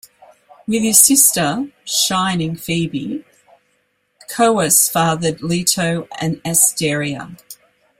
With his sister, "shining" Phoebe, Coeus fathered Leto and Asteria.